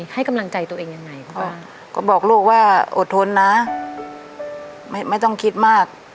ให้กำลังใจตัวเองยังไงคุณพ่อก็บอกลูกว่าอดทนนะไม่ต้องคิดมาก